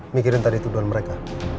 mikirin tadi tuduhan mereka